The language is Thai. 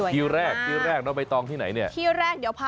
ครัวแรกไหนเนี่ย